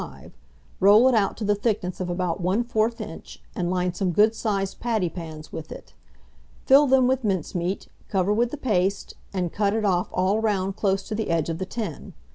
1205; roll it out to the thickness of about 1/4 inch, and line some good sized pattypans with it; fill them with mincemeat, cover with the paste, and cut it off all round close to the edge of the tin.